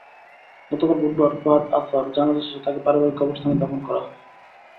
গতকাল বুধবার বাদ আসর জানাজা শেষে তাঁকে পারিবারিক কবরস্থানে দাফন করা হয়।